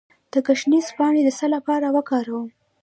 د ګشنیز پاڼې د څه لپاره وکاروم؟